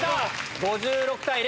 ５６対０。